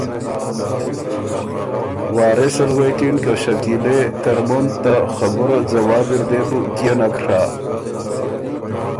وارث ال غوېکِن که ”شکیلے! ترمُن ته خبُره ځواب اِر دې بو کيې نک ڒۀ؟“